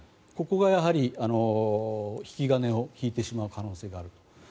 ここがやはり引き金を引いてしまう可能性があると。